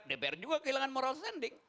dpr juga kehilangan moral sending